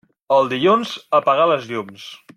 El dilluns, apagar les llums.